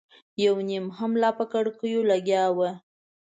یو نيم هم لا په کړکيو لګیا و.